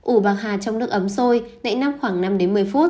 u bạc hà trong nước ấm sôi nãy nắp khoảng năm một mươi phút